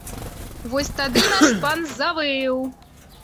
Вось тады наш пан завыў!